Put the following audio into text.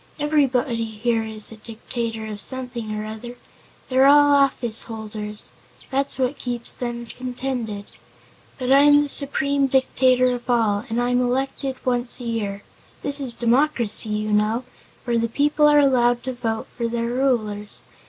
"Everybody here is a dictator of something or other. They're all office holders. That's what keeps them contented. But I'm the Supreme Dictator of all, and I'm elected once a year. This is a democracy, you know, where the people are allowed to vote for their rulers.